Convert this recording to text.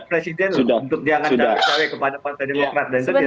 menurut pak fadoko hak presiden untuk dia akan cari cari kepada partai demokrat dan sebagainya